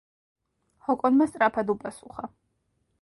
ჰოკონმა სწრაფად უპასუხა.